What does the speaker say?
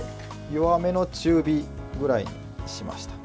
弱めの中火ぐらいにしました。